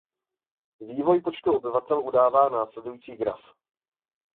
Vývoj počtu obyvatel udává následující graf.